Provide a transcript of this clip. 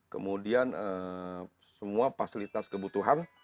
kemudian semua fasilitas kebudayaan